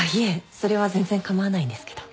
それは全然かまわないんですけど。